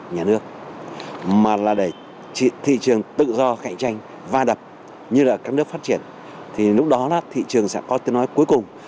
nhà nước mà là để thị trường tự do cạnh tranh va đập như là các nước phát triển thì lúc đó thị trường sẽ có tiếng nói cuối cùng